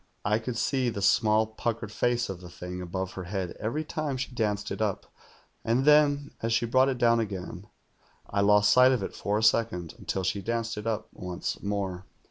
I could see the small, puckered face of the thing above her head every time she danced it up, 132 THE GHOUL and then, as she brought it down again, I lost sight of it for a second, until she danced it up once more.